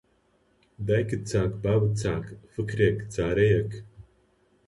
دایکت چاک، بابت چاک، فکرێک، چارەیەک